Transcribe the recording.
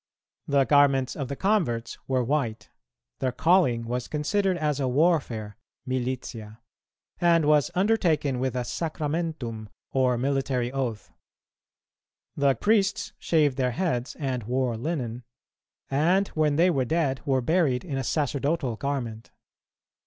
The garments of the converts were white; their calling was considered as a warfare (militia), and was undertaken with a sacramentum, or military oath. The priests shaved their heads and wore linen, and when they were dead were buried in a sacerdotal garment.